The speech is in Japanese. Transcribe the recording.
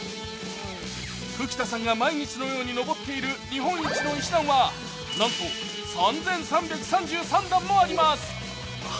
久木田さんが毎日のように上っている日本一の石段はなんと３３３３段もあります。